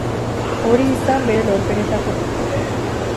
Hori izan bere lorpenetako bat.